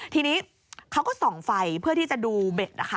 ทีนี้เขาก็ส่องไฟเพื่อที่จะดูเบ็ดนะคะ